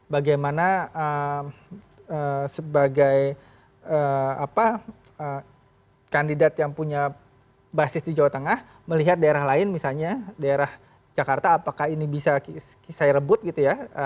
bagaimana sebagai kandidat yang punya basis di jawa tengah melihat daerah lain misalnya daerah jakarta apakah ini bisa saya rebut gitu ya